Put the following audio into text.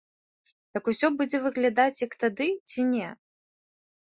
Так усё будзе выглядаць, як тады, ці не?